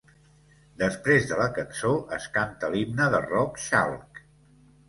Després de la cançó, es canta l'himne de Rock Chalk.